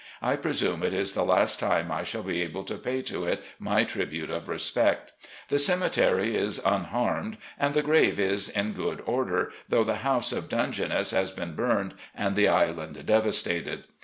I presume it is the last time I shall be able to pay to it my tribute of respect. The cemetery is tmharmed and the grave is in good order, though the house of Dungeness has been burned and the island devastated.